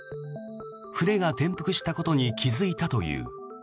船が転覆したことに気付いたという。